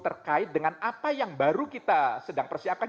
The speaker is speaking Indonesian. terkait dengan apa yang baru kita sedang persiapkan